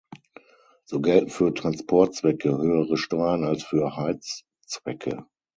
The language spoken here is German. So gelten für Transportzwecke höhere Steuern als für Heizzwecke.